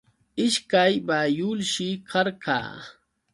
Ishkay bayulshi karqa.